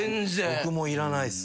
僕もいらないっすね。